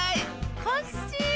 コッシー！